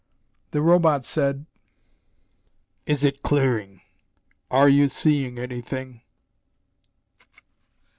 The Robot said, "Is it clearing? Are you seeing anything?"